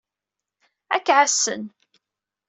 Ad k-ɛassen.